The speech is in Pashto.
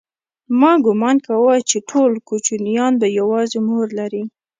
ما گومان کاوه چې ټول کوچنيان به يوازې مور لري.